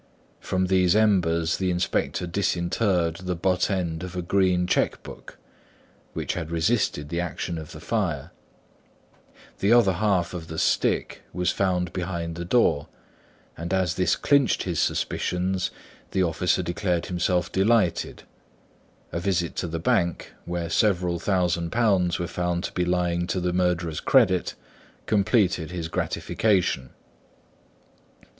From these embers the inspector disinterred the butt end of a green cheque book, which had resisted the action of the fire; the other half of the stick was found behind the door; and as this clinched his suspicions, the officer declared himself delighted. A visit to the bank, where several thousand pounds were found to be lying to the murderer's credit, completed his gratification.